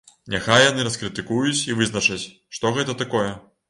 Няхай яны раскрытыкуюць і вызначаць, што гэта такое.